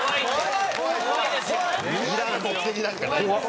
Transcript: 目的なんかないんです。